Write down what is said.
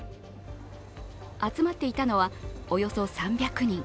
集まっていたのは、およそ３００人。